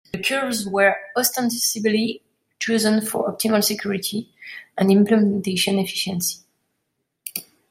The curves were ostensibly chosen for optimal security and implementation efficiency.